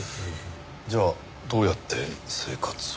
じゃあどうやって生活を？